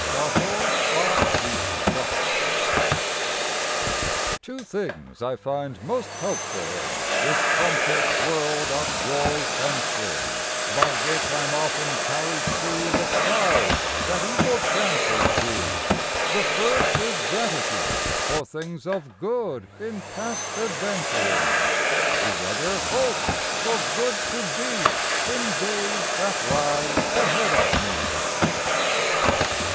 June Fifth BLESSINGS TWAIN things I find most helpful in This complex world of joy and sin By which I m often carried through The clouds that evil chances brew; The first is GRATITUDE for things Of good in past adventurings, The other HOPE for good to be In days that lie ahead of me.